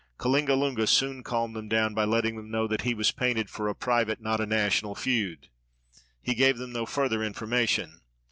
Kalingalunga soon calmed them down by letting them know that he was painted for a private, not a national feud. He gave them no further information.